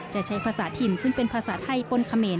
จะใช้ภาษาถิ่นซึ่งเป็นภาษาไทยป้นเขมร